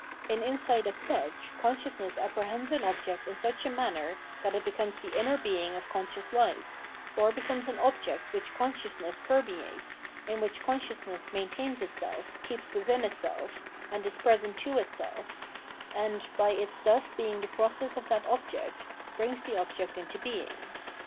In insight as such consciousness apprehends an object in such a manner that it becomes the iimer being of conscious life, or becomes an object which consciousness permeates, in which consciousness maintains itself, keeps within itself, and is present to itself, and, by its thus being the process of that object, brings the object into being.